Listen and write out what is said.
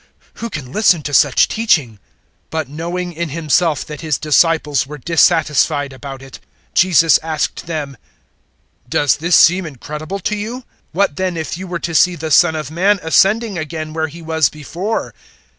Who can listen to such teaching?" 006:061 But, knowing in Himself that His disciples were dissatisfied about it, Jesus asked them, 006:062 "Does this seem incredible to you? What then if you were to see the Son of Man ascending again where He was before?